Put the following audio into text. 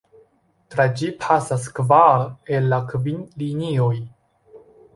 Tra ĝi pasas kvar el la kvin linioj.